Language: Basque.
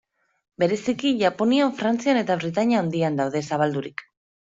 Bereziki, Japonian, Frantzian eta Britainia Handian daude zabaldurik.